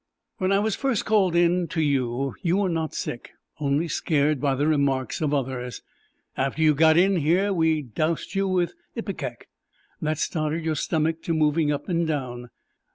"When I was first called in to you, you were not sick, only scared by the remarks of others. After we got you in here, we dosed you with ipecac. That started your stomach to moving up and down."